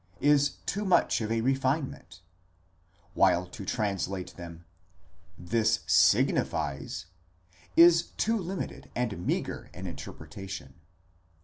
is too much of a re finement ; while to translate them: ¢Ais signifies, is too limited and meagre an interpretation.